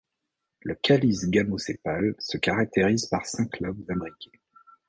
Le calice gamosépale se caractérise par cinq lobes imbriqués.